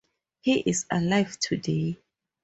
He is alive today.